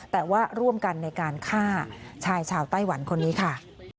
แต่ว่าร่วมกันในการฆ่าชายชาวไต้หวันคนนี้ค่ะ